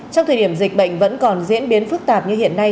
trong thời điểm dịch bệnh vẫn còn diễn biến phức tạp như hiện nay